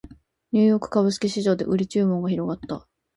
ニューヨーク株式市場で売り注文が広がった